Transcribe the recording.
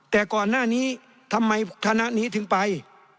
แต่ก่อนหน้านี้ทำไมคณะนี้ถึงไป